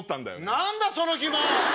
何だその疑問！